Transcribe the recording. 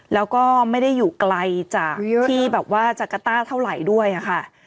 แล้วก็ไม่ได้อยู่ไกลจากที่แบบว่าจักรต้าเท่าไหร่ด้วยค่ะ